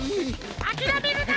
あきらめるな！